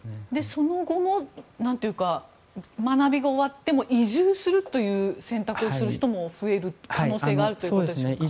その後も学びが終わっても移住するという選択をする人も増える可能性があるということでしょうか。